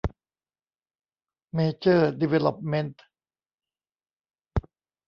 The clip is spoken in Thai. เมเจอร์ ดีเวลลอปเม้นท์